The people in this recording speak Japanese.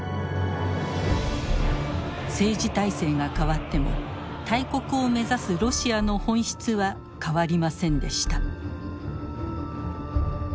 政治体制が変わっても大国を目指すロシアの本質は変わりませんでした。